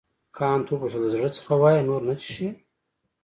کانت وپوښتل د زړه څخه وایې نور نه څښې.